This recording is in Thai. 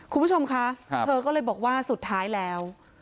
คุณผู้ชมคะเธอก็เลยบอกว่าสุดท้ายแล้ว